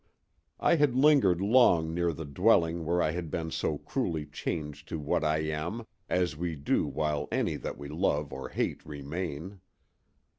I had lingered long near the dwelling where I had been so cruelly changed to what I am, as we do while any that we love or hate remain.